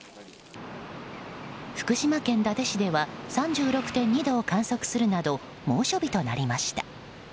福島県伊達市では３６．２度を観測するなど猛暑日となりました。